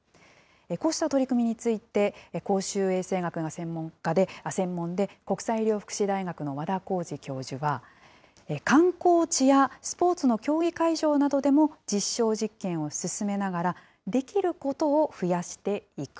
こうした取り組みについて、公衆衛生学が専門で、国際医療福祉大学の和田耕治教授は、観光地やスポーツの競技会場などでも実証実験を進めながら、できることを増やしていく。